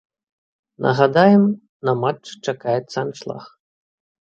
Нагадаем, на матчы чакаецца аншлаг.